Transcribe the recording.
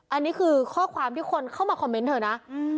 อันนี้คือข้อความที่คนเข้ามาคอมเมนต์เธอนะ